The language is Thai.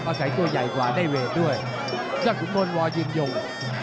แล้วก็จะน้ำเงินตัวใหญ่กว่าได้เวทด้วยจากกุโมนวอร์ยืนยง